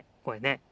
これね。